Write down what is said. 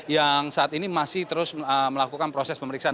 yang saat ini masih terus melakukan proses pemeriksaan